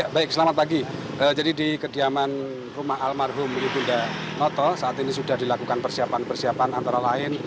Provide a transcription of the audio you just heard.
baik selamat pagi jadi di kediaman rumah almarhum ibunda noto saat ini sudah dilakukan persiapan persiapan antara lain